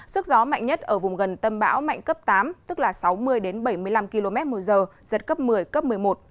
sức gió mạnh nhất ở vùng gần tâm bão mạnh cấp tám tức là sáu mươi bảy mươi năm km một giờ giật cấp một mươi cấp một mươi một